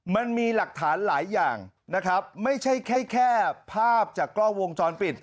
มันมีหลักฐานหลายอย่างนะครับไม่ใช่แค่ภาพจากกล้องวงจรปิด